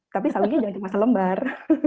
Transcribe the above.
tapi sawitnya jangan cuma selembar